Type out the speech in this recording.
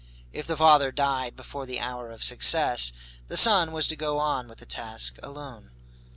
If the father died before the hour of success, the son was to go on with the task alone.